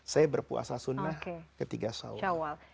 saya berpuasa sunnah ketika syawal